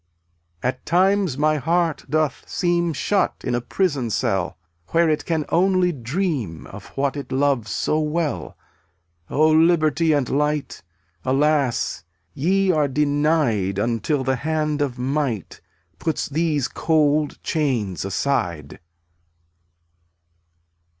268 At times my heart doth seem Shut in a prison cell, Where it can only dream Of what it loves so well. O liberty and light! Alas, ye are denied Until the hand of Might Puts these cold chains aside.